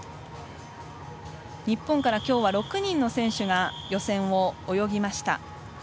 日本から今日は６人の選手が予選を泳ぎました。